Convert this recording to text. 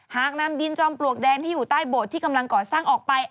หากนำดินจอมปลวกแดงที่อยู่ใต้โบสถ์ที่กำลังก่อสร้างออกไป